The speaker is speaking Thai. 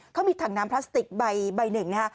เขามีถังน้ำพลาสติกใบหนึ่งนะฮะ